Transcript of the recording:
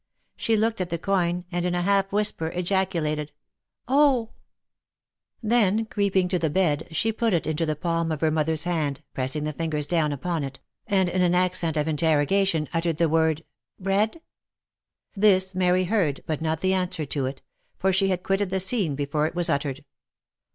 She looked at the coin, and in a half whisper ejaculated, " Oh !" Then creeping to the bed, she put it into the palm of her mother's hand, pressing the fingers down upon it, and in an accent of inter rogation uttered the word " Bread V This Mary heard, but not the answer to it, for she had quitted the scene before it was uttered.